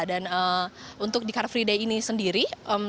dan untuk di car free day ini sendiri